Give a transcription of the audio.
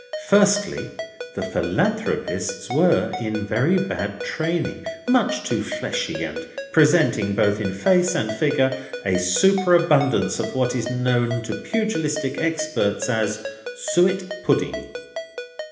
Firstly, the Philanthropists were in very bad training: much too fleshy, and presenting, both in face and figure, a superabundance of what is known to Pugilistic Experts as Suet Pudding.